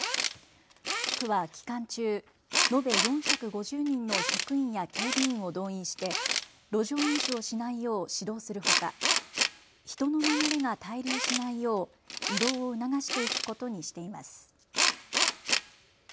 区は期間中、延べ４５０人の職員や警備員を動員して路上飲酒をしないよう指導するほか人の流れが滞留しないよう移動を促していくことにしています。